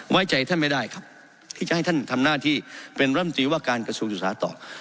ไว้ใจท่านไม่ได้ครับที่จะให้ท่านทำหน้าที่เป็นร่ำตีว่าการกระทรวงศึกษาต่อ